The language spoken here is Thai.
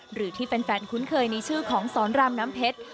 หรือที่แฟนคุ้นเคยในชื่อของสอนรามน้ำเพชร